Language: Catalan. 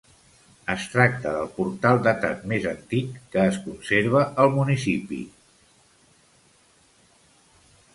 Es tracta del portal datat més antic que es conserva al municipi.